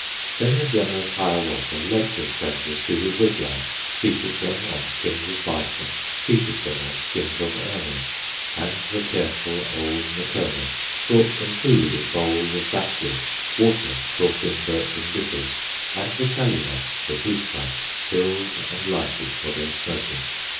Then the generous Hiawatha Led the strangers to his wigwam, Seated them on skins of bison, Seated them on skins of ermine, And the careful old Nokomis Brought them food in bowls of basswood, Water brought in birchen dippers, And the calumet, the peace pipe, Filled and lighted for their smoking.